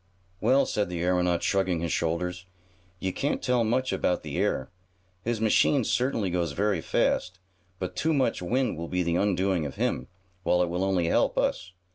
"Well," said the aeronaut, shrugging his shoulders, "you can't tell much about the air. His machine certainly goes very fast, but too much wind will be the undoing of him, while it will only help us.